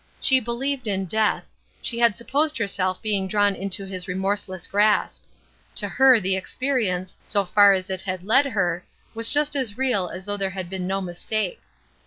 She believed in death; she had supposed herself being drawn into his remorseless grasp. To her the experience, so far as it had led her, was just as real as though there had been no mistake.